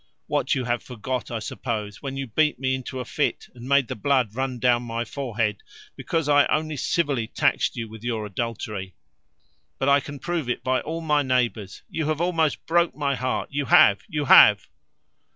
What, you have forgot, I suppose, when you beat me into a fit, and made the blood run down my forehead, because I only civilly taxed you with adultery! but I can prove it by all my neighbours. You have almost broke my heart, you have, you have."